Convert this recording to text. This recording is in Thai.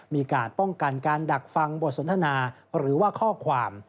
มีการป้องกันการดักฟังบทสนทนาหรือว่าข้อความ